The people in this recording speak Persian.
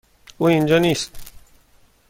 او اینجا نیست.